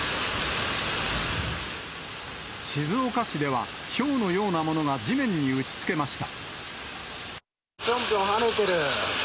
静岡市ではひょうのようなものが地面に打ちつけました。